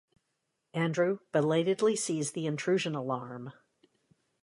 Andrew belatedly sees the intrusion alarm.